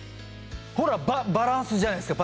ほらババランスじゃないですか！